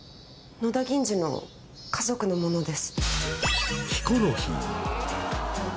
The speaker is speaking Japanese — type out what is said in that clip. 野田銀治の家族の者です